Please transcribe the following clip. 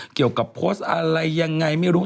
เกี่ยวกับโพสต์อะไรยังไงไม่รู้